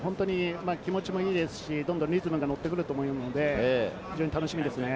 気持ちもいいですし、どんどんリズムにのってくると思うので、非常に楽しみですね。